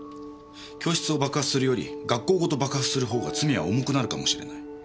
教室を爆破するより学校ごと爆破するほうが罪は重くなるかもしれない。